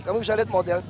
kamu bisa lihat model